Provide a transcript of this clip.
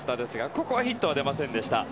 ここはヒットは出ませんでした。